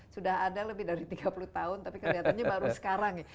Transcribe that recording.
sudah ada lebih dari tiga puluh tahun tapi kelihatannya baru sekarang ya